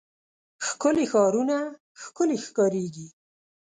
ښکلي ښارونه ښکلي ښکاريږي.